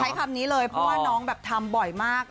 ใช้คำนี้เลยเพราะว่าน้องแบบทำบ่อยมาก